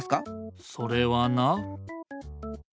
それはな。